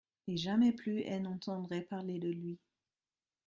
Et jamais plus elle n'entendrait parler de lui.